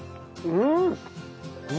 うん。